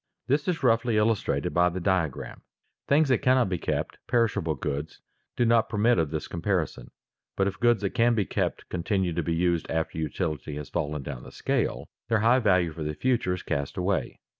This is roughly illustrated by the diagram. Things that cannot be kept, perishable goods, do not permit of this comparison. But if goods that can be kept continue to be used after utility has fallen down the scale, their high value for the future is cast away.